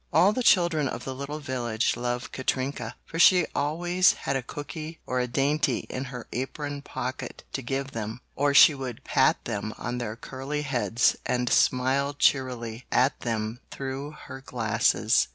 All the children of the little village loved Katrinka, for she always had a cooky or a dainty in her apron pocket to give them, or she would pat them on their curly heads and smile cheerily at them through her glasses.